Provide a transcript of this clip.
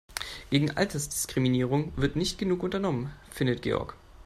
Gegen Altersdiskriminierung wird nicht genug unternommen, findet Georg.